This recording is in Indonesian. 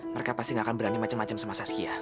mereka pasti gak akan berani macam macam sama saskia